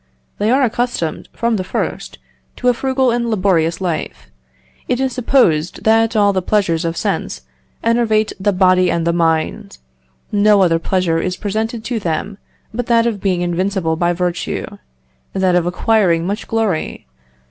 They are accustomed, from the first, to a frugal and laborious life; it is supposed that all the pleasures of sense enervate the body and the mind; no other pleasure is presented to them but that of being invincible by virtue, that of acquiring much glory....